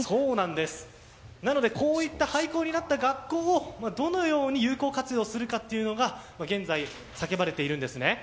なので、こういった廃校になった学校をどのように有効活用するかというのが現在、叫ばれているんですね。